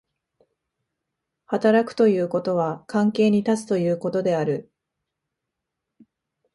働くということは関係に立つということである。